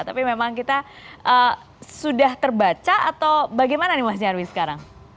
tapi memang kita sudah terbaca atau bagaimana nih mas nyarwi sekarang